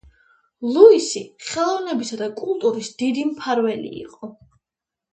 ლუისი ხელოვნებისა და კულტურის დიდი მფარველი იყო.